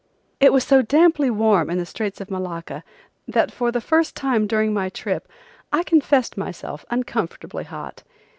It was so damply warm in the Straits of Malacca that for time first time during my trip I confessed myself uncomfortably hot.